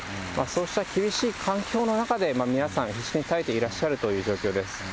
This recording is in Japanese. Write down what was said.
そうした厳しい環境の中で皆さん、必死に耐えていらっしゃるという状況です。